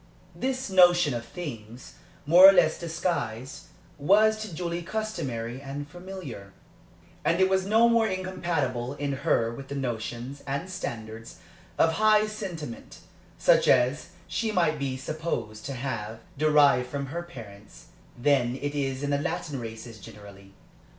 This notion of things, more or less disguised, was to Julie customary and familiar; and it was no more incompatible in her with the notions and standards of high sentiment, such as she might be supposed to have derived from her parents, than it is in the Latin races generally.